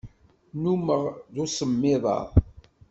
Nnumeɣ d usemmiḍ-a.